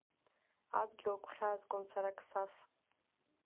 Адгьыл гәхьаазгон, сара, Қсас!